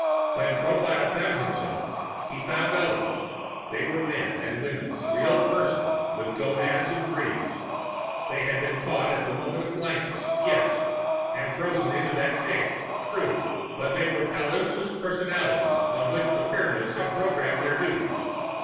When Tropile found himself, he found others. They were men and women, real persons with gonads and dreams. They had been caught at the moment of blankness yes; and frozen into that shape, true. But they were palimpsest personalities on which the Pyramids had programmed their duties.